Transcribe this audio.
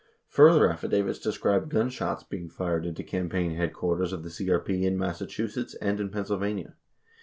30 Further affi davits describe gunshots being fired into campaign headquarters of the CRP in Massachusetts and in Pennsylvania.